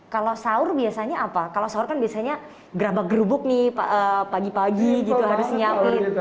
kalau sahur biasanya apa kalau sahur kan biasanya gerabak gerubuk nih pagi pagi gitu harus nyiapin